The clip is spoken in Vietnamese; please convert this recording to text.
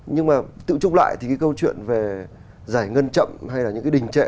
nhưng mà tự trúc lại thì cái câu chuyện về giải ngân chậm hay là những cái đình trệ